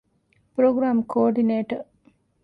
ޕްރޮގްރާމް ކޯޑިނޭޓަރ